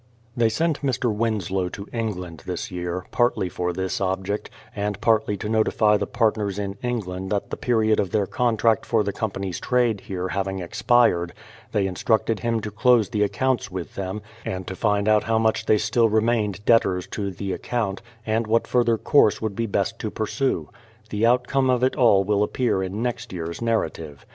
They sent Mr. Winslow to England this year, partly for this object, and partly to notify the partners in England that the period of their contract for the company's trade here having expired, they instructed him to close the ac counts with them, and to find out how much they still remained debtors to the account, and what further course would be best to pursue. The outcome of it all will appear in next year's narrative.